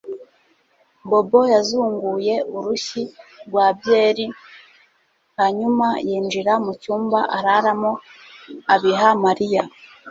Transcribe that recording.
Bobo yazunguye urushyi rwa byeri hanyuma yinjira mu cyumba araramo abiha Mariya